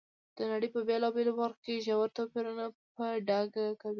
د نړۍ په بېلابېلو برخو کې ژور توپیرونه په ډاګه کوي.